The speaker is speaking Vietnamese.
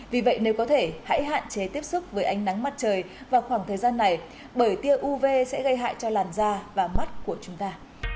vì vậy nếu có thể hãy hạn chế tiếp xúc với ánh nắng mặt trời vào khoảng thời gian này bởi tia uv sẽ gây hại cho làn da và mắt của chúng ta